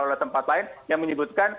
oleh tempat lain yang menyebutkan